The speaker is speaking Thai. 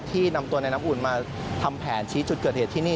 ที่นำตัวในน้ำอุ่นมาทำแผนชี้จุดเกิดเหตุที่นี่